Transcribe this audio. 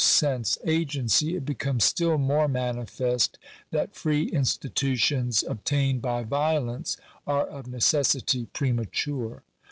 sense agency, it becomes still more manifest that free institu tions obtained by violence are of necessity premature.